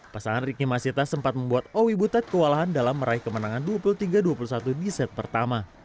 pasangan ricky masita sempat membuat owi butet kewalahan dalam meraih kemenangan dua puluh tiga dua puluh satu di set pertama